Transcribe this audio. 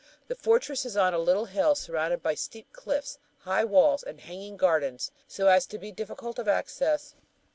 The "fortress" is on a little hill, surrounded by steep cliffs, high walls, and hanging gardens so as to be difficult of access.